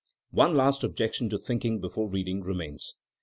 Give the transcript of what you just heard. One last objection to thinking before reading remains.